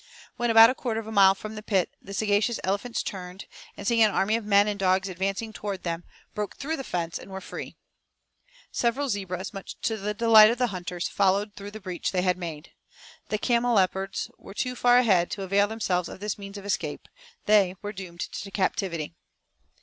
When about a quarter of a mile from the pit, the sagacious elephants turned, and, seeing an army of men and dogs advancing towards them, broke through the fence and were free. Several zebras much to the delight of the hunters followed through the breach they had made. The camelopards were too far ahead to avail themselves of this means of escape. They were doomed to captivity.